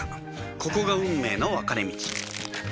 ここが運命の分かれ道